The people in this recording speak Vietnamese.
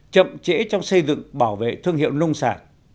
chậm trễ trong xây dựng bảo vệ thương hiệu nông sản